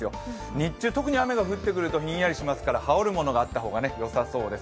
日中、特に雨が降ってくるとひんやりしますから羽織るものがあった方がよさそうです。